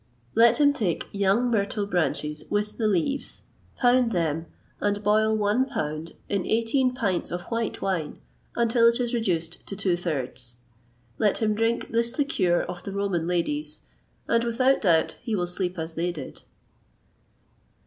Let him take young myrtle branches with the leaves, pound them, and boil one pound in eighteen pints of white wine, until it is reduced to two thirds.[XXVIII 157] Let him drink this liqueur of the Roman ladies, and, without doubt, he will sleep as they did.